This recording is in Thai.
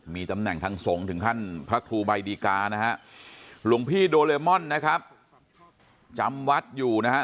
มีตำแหน่งทางสงฆ์ถึงขั้นพระครูใบดีกานะฮะหลวงพี่โดเรมอนนะครับจำวัดอยู่นะฮะ